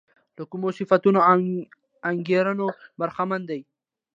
له کومو صفتونو او انګېرنو برخمنه ده.